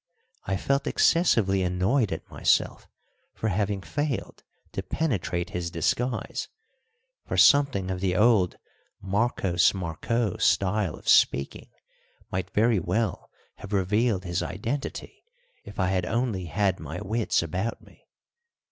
I felt excessively annoyed at myself for having failed to penetrate his disguise; for something of the old Marcos Marcó style of speaking might very well have revealed his identity if I had only had my wits about me.